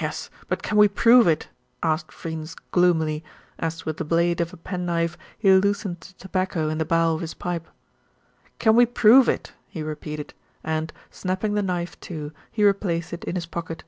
"Yes; but can we prove it?" asked Freynes gloomily, as with the blade of a penknife he loosened the tobacco in the bowl of his pipe. "Can we prove it?" he repeated and, snapping the knife to, he replaced it in his pocket.